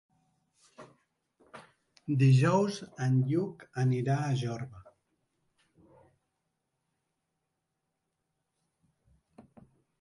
Dijous en Lluc anirà a Jorba.